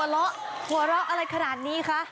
เราหัวเราะอะไรขนาดนี้คะ